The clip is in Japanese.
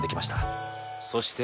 そして今。